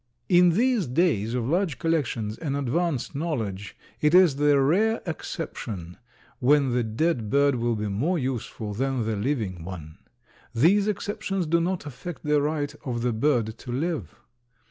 In these days of large collections and advanced knowledge, it is the rare exception when the dead bird will be more useful than the living one. These exceptions do not affect the right of the bird to live.